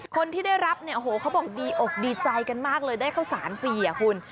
คนที่ได้รับเนี่ยโอ้โหเขาบอกดีอกดีใจกันมากเลยได้ข้าวสารฟรีอ่ะคุณ